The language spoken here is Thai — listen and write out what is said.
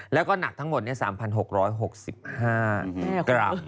แล้วก็หนักทั้งหมด๓๖๖๕กรัม